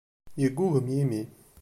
Yeggugem yimi.